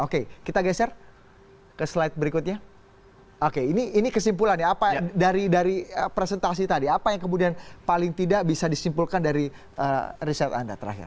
oke kita geser ke slide berikutnya oke ini kesimpulan ya apa dari presentasi tadi apa yang kemudian paling tidak bisa disimpulkan dari riset anda terakhir